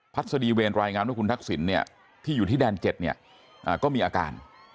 สดีเวรรายงานว่าคุณทักษิณที่อยู่ที่แดน๗เนี่ยก็มีอาการ